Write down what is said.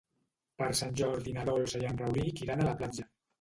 Per Sant Jordi na Dolça i en Rauric iran a la platja.